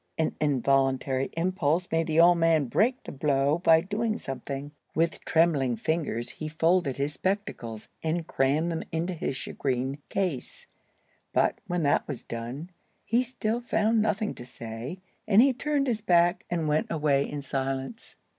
An involuntary impulse made the old man break the blow by doing something. With trembling fingers he folded his spectacles, and crammed them into the shagreen case. But, when that was done, he still found nothing to say, and he turned his back and went away in silence.